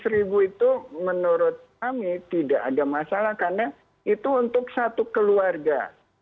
rp dua ratus itu menurut kami tidak ada masalah karena itu untuk satu keluarga